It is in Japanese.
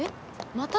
また？